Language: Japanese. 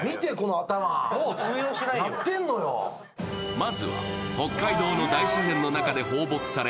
まずは北海道の大自然の中で放牧され